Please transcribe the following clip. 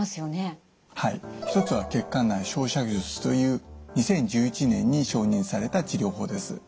一つは血管内焼灼術という２０１１年に承認された治療法です。